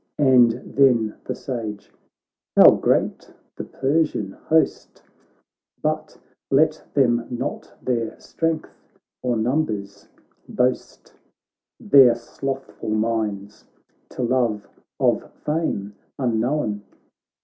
And then the Sage :' How great ihjE Persian host ! But let them not their strength or num bers boast ; Their slothful minds, to love of fame un known.